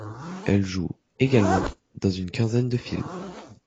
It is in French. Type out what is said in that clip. Elle joue, également, dans une quinzaine de films.